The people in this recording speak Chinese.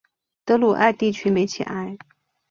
德鲁艾地区梅齐埃。